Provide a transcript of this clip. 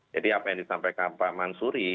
jadi apa yang ditampilkan pak mansuri